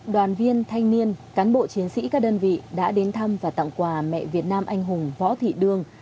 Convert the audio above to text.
đoàn viên thanh niên cán bộ chiến sĩ các đơn vị đã đến thăm và tặng quà mẹ việt nam anh hùng võ thị đương